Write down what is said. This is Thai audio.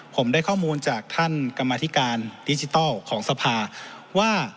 ผมได้ข้อมูลจากท่านกรรมธิการดิจิทัลของสภาว่า